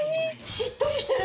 しっとりしてる。